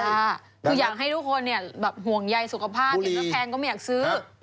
คืออยากให้ทุกคนห่วงใยสุขภาพเห็นว่าแพงก็ไม่อยากซื้อ